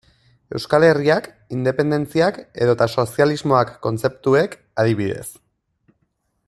Euskal Herriak, independentziak edota sozialismoak kontzeptuek, adibidez.